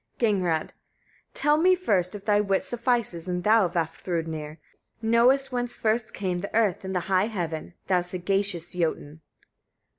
Gagnrâd. 20. Tell me first, if thy wit suffices, and thou, Vafthrûdnir! knowest, whence first came the earth, and the high heaven, thou, sagacious Jötun?